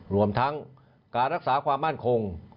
รวมทั้งการรักษาความมั่นคง